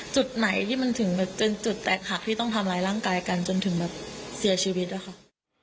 จุดไหนที่มันถึงแบบเป็นจุดแตกหักที่ต้องทำร้ายร่างกายกันจนถึงแบบเสียชีวิตอะค่ะ